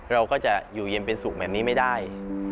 เราก็จะอยู่เย็นเป็นสุขแบบนี้ไม่ได้